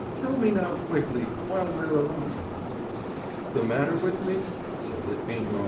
Tell me now quickly, while we're alone.' 'The matter with me?' said Litvinov.